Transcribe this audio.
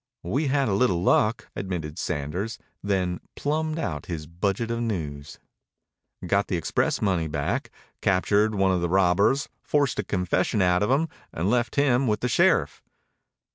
"We had a little luck," admitted Sanders, then plumped out his budget of news. "Got the express money back, captured one of the robbers, forced a confession out of him, and left him with the sheriff."